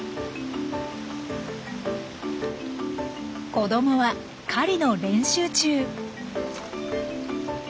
子どもは狩りの練習中。